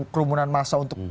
kerumunan massa untuk